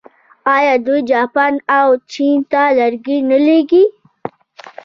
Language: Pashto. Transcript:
آیا دوی جاپان او چین ته لرګي نه لیږي؟